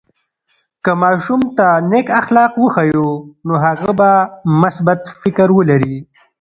که ماشوم ته نیک اخلاق وښیو، نو هغه به مثبت فکر ولري.